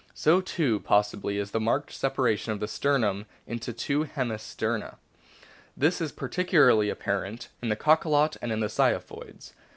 So too, possibly, is the marked separation of the sternum into two hemisterna. This is particu larly apparent in the Cachalot and in the Ziphioids.